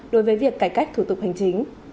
đối với việc cải cách thủ tục hành chính